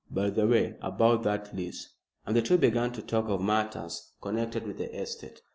By the way, about that lease," and the two began to talk of matters connected with the estate.